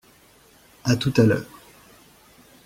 A tout à l'heure.